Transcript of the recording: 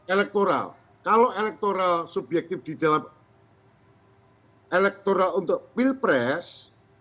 elektoral kalau elektoral subjektif di dalam elektoral untuk pilpres